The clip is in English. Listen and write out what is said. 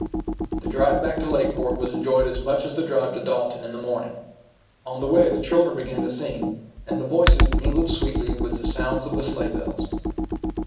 The drive back to Lakeport was enjoyed as much as the drive to Dalton in the morning. On the way the children began to sing, and the voices mingled sweetly with the sounds of the sleigh bells.